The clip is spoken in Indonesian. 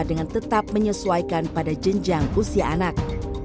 dan tetap menyesuaikan pada jenjang usia anak